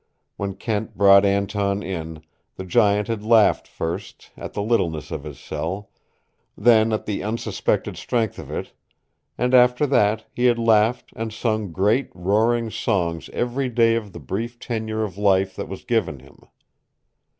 When Kent brought Anton in, the giant had laughed first at the littleness of his cell, then at the unsuspected strength of it, and after that he had laughed and sung great, roaring songs every day of the brief tenure of life that was given him.